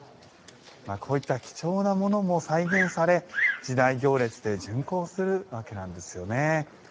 こういった貴重なものも再現され時代行列で巡行するわけなんですよね。